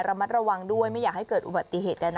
ระมัดระวังด้วยไม่อยากให้เกิดอุบัติเหตุใดนะ